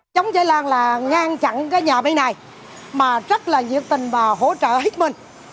chống cháy lan là ngăn chặn cái nhà bên này mà rất là nhiệt tình và hỗ trợ hết mình